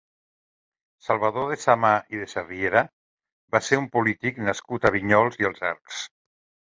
Salvador de Samà i de Sarriera va ser un polític nascut a Vinyols i els Arcs.